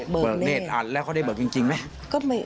เบิกเนธอ่านแล้วเขาได้เบิกจริงไหม